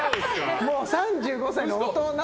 もう３５歳の大人！